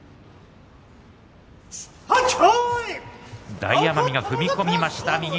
大奄美が踏み込みました。